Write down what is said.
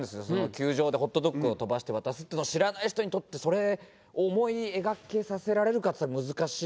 球場でホットドッグを飛ばして渡すっていうの知らない人にとってそれ思い描けさせられるかっていったら難しい。